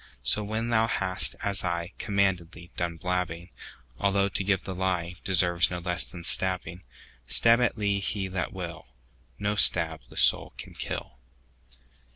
So when thou hast, as ICommanded thee, done blabbing,—Although to give the lieDeserves no less than stabbing,—Stab at thee he that will, No stab the soul can kill.